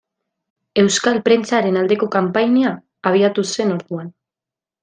Euskal prentsaren aldeko kanpaina abiatu zen orduan.